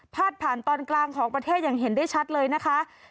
ผ่านตอนกลางของประเทศอย่างเห็นได้ชัดเลยนะคะ